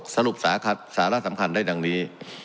สรุปสาระสำคัญได้ดังนี้